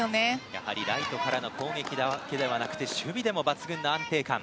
やはりライトからの攻撃だけではなく守備でも抜群の安定感。